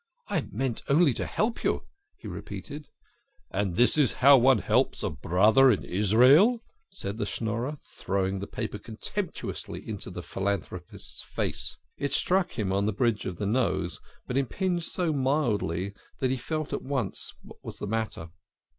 " I meant to help you," he repeated. " And this is how one helps a brother in Israel ?" said the 8 THE KING OF SCHNORRERS. Schnorrer, throwing the paper contemptuously into the phi lanthropist's face. It struck him on the bridge of the nose, but impinged so mildly that he felt at once what was the matter.